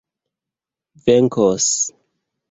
venkos